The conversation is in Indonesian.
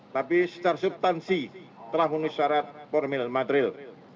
tapi secara subtansi telah mengunis syarat formulir material